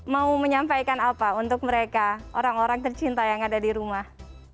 mau menyampaikan apa untuk mereka orang orang tercinta yang ada di rumah